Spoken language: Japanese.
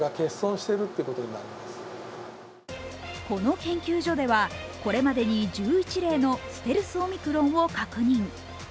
この研究所ではこれまでに１１例のステルスオミクロンを確認。